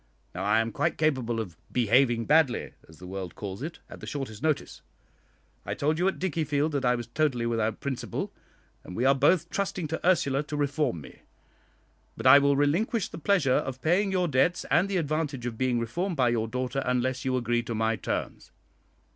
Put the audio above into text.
Now I am quite capable of 'behaving badly,' as the world calls it, at the shortest notice. I told you at Dickiefield that I was totally without principle, and we are both trusting to Ursula to reform me. But I will relinquish the pleasure of paying your debts, and the advantage of being reformed by your daughter, unless you agree to my terms."